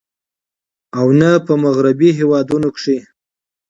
او نۀ په مغربي هېوادونو کښې